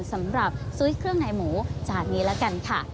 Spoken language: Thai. สำหรับซุ้ยเครื่องในหมูจานนี้ละกันค่ะ